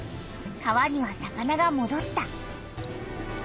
川には魚がもどった。